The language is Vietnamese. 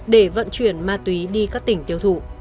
để vận chuyển ma túy đi các tỉnh tiêu thụ